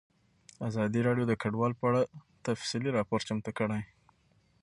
ازادي راډیو د کډوال په اړه تفصیلي راپور چمتو کړی.